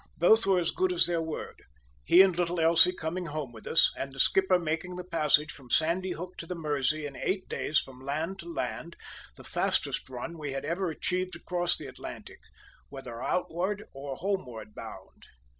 Both were as good as their word, he and little Elsie coming home with us, and the skipper making the passage from Sandy Hook to the Mersey in eight days from land to land, the fastest run we had ever yet achieved across the Atlantic, whether outward or homeward bound.